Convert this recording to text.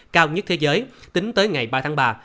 cao nhất thế giới tính tới ngày ba tháng ba